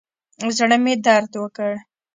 زړه مې درد وکړ.